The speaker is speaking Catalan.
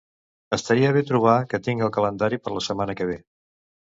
Estaria bé trobar què tinc al calendari per la setmana que ve.